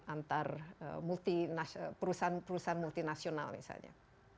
antar perusahaan perusahaan multinasional misalnya